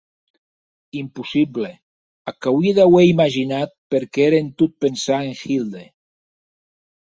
Impossible, ac auie d'auer imaginat perque ère en tot pensar en Hilde.